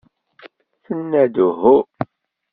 Tenna-d uhu.